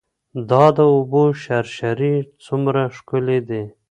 دا د اوبو شرشرې څومره ښکلې دي.